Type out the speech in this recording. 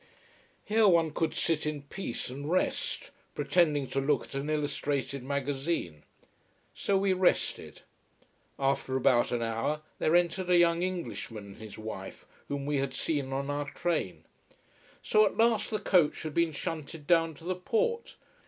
Here one could sit in peace and rest, pretending to look at an illustrated magazine. So we rested. After about an hour there entered a young Englishman and his wife, whom we had seen on our train. So, at last the coach had been shunted down to the port.